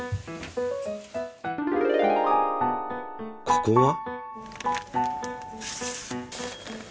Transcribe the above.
ここは？